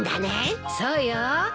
そうよ。